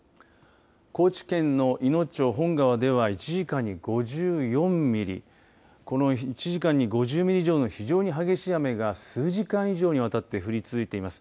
高知県のいの町本川では１時間に５４ミリ、１時間に５０ミリ以上の非常に激しい雨が数時間以上にわたって降り続いています。